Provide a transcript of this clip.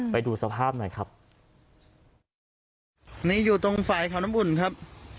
ไปดูสภาพหน่อยครับนี่อยู่ตรงฝ่ายเขาน้ำอุ่นครับ